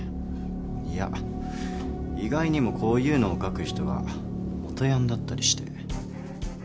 いや意外にもこういうのを描く人が元ヤンだったりして。